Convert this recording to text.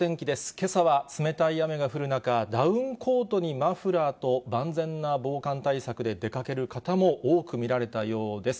けさは冷たい雨が降る中、ダウンコートにマフラーと、万全な防寒対策で出かける方も多く見られたようです。